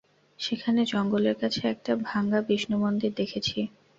সেখানে জঙ্গলের কাছে একটা ভাঙ্গা বিষ্ণুমন্দির দেখেছি।